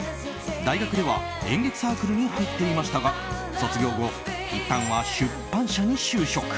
大学では演劇サークルに入っていましたが卒業後いったんは出版社に就職。